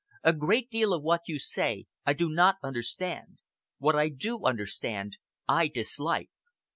A great deal of what you say I do not understand. What I do understand, I dislike."